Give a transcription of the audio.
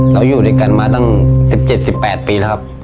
อยู่ด้วยกันมาตั้ง๑๗๑๘ปีแล้วครับ